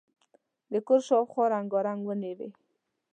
د کور شاوخوا رنګارنګ ونې وې.